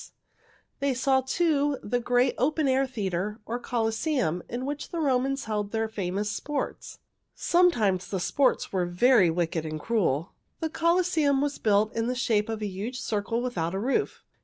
They saw, too, the great open air theater, or Colosseum, in which the old Romans held their famous sports. Sometimes the sports were very wicked and cruel. The Colosseum was built in the shape of a huge circle without a roof.